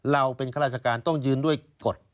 เราเป็นข้าราชการต้องยืนด้วยกฎ